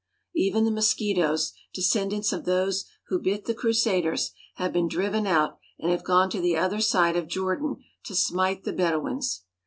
Even the mosquitoes, descendants of those who bit the Crusaders, have been driven out and have gone to the other side of Jordan to smite the Bedouins.